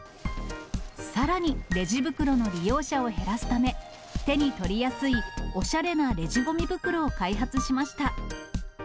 さらにレジ袋の利用者を減らすため、手に取りやすいおしゃれなレジごみ袋を開発しました。